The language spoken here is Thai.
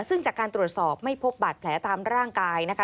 ซึ่งจากการตรวจสอบไม่พบบาดแผลตามร่างกายนะคะ